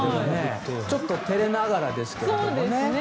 ちょっと照れながらですけどね。